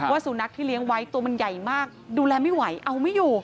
สุนัขที่เลี้ยงไว้ตัวมันใหญ่มากดูแลไม่ไหวเอาไม่อยู่